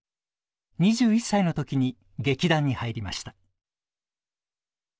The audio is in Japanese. ２１歳の時に劇団に入りました。